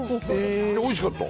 おいしかった。